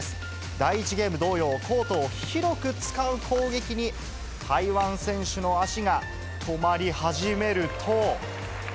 第１ゲーム同様、コートを広く使う攻撃に、台湾選手の足が止まり始めると。